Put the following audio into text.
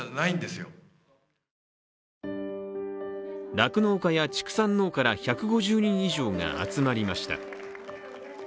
酪農家や畜産農家ら１５０人以上が集まりました。